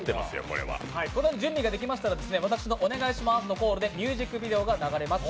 準備ができましたら私のお願いしますのコールでミュージックビデオが流れます。